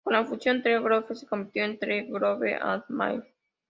Con la fusión, "The Globe" se convirtió en "The Globe and Mail".